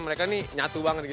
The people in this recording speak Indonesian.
mereka nih nyatu banget gitu loh